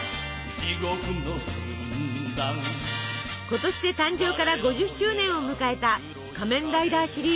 今年で誕生から５０周年を迎えた「仮面ライダーシリーズ」。